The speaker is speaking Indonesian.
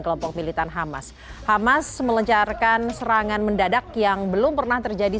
kelompok militan hamas hamas melencarkan serangan mendadak yang belum pernah terjadi